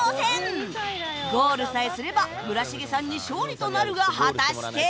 ゴールさえすれば村重さんに勝利となるが果たして